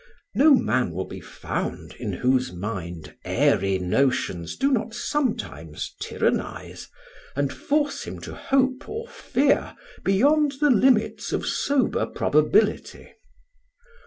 No man will be found in whose mind airy notions do not sometimes tyrannise, and force him to hope or fear beyond the limits of sober probability.